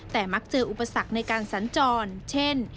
แต่มักเจออุปสรรคในการสัญจรเช่น